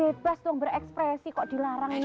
ya bebas dong berekspresi kok dilarangin